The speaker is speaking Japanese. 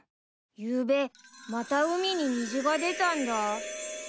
ゆうべまた海に虹が出たんだ。